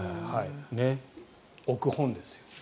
置く本ですよ。